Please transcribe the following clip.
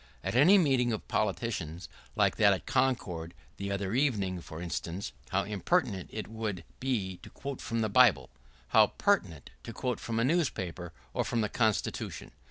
At any meeting of politicians — like that at Concord the other evening, for instance — how impertinent it would be to quote from the Bible! how pertinent to quote from a newspaper or from the Constitution!